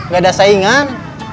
gak ada saingan